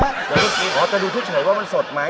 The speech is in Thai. หรือพี่เจี๊ยวจะดูทุกเฉยว่ามันสดมั้ย